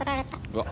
うわ。